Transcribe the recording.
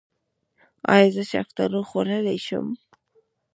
ایا زه شفتالو خوړلی شم؟